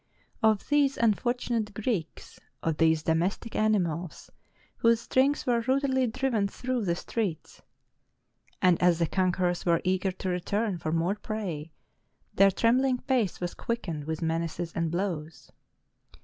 Of these unfortunate Greeks, of these domestic animals, whole strings were rudely driven through the streets; and as the conquerors were eager to return for more prey, their trembling pace was quickened with menaces and blows.